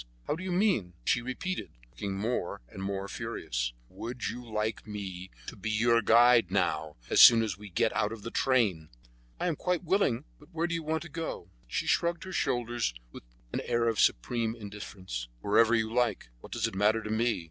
How do you mean?" She repeated, looking more and more furious: "Would you like me to be your guide now, as soon as we get out of the train?" "I am quite willing; but where do you want to go." She shrugged her shoulders with an air of supreme indifference. "Wherever you like; what does it matter to me?"